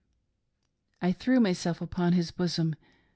I threw myself upon his bosom.